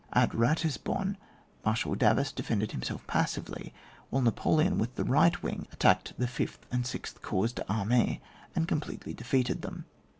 At Batisbonne, Marshal Davoust de fended himself passively, while Napoleon with the right wing, attacked the fifth and sixth corps d*armee, and completely defeated them.